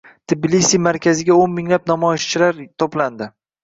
Tbilisi markaziga o‘n minglab namoyishchilar to‘plandi